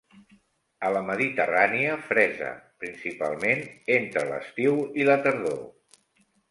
A la Mediterrània fresa, principalment, entre l'estiu i la tardor.